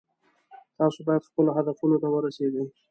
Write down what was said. تاسو باید خپلو هدفونو ته ورسیږئ